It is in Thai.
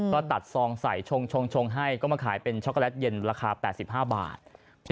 ก็ตัดซองใส่ชงให้ก็มาขายเป็นช็อกโกแลตเย็นราคา๘๕บาท